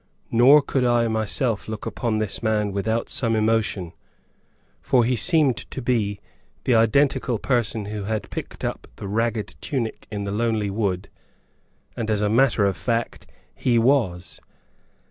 Nor could I myself look upon this man without some emotion, for he seemed to be the identical person who had picked up the ragged tunic in the lonely wood, and, as a matter of fact, he was!